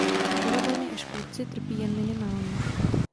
Chorobami a škůdci trpí jen minimálně.